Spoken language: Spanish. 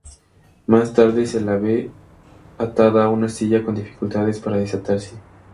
Más tarde se la ve atada a una silla con dificultades para desatarse.